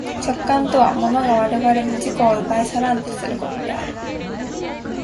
直観とは物が我々の自己を奪い去らんとすることである。